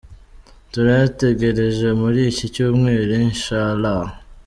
Turayategereje muri iki cyumweru, insha Allah.